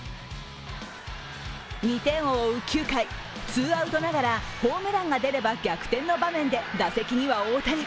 ２点を追う９回、ツーアウトながらホームランが出れば逆転の場面で打席には大谷。